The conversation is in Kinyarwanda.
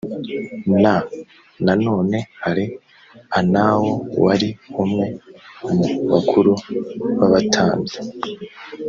n nanone hari anao wari umwe mu bakuru b abatambyi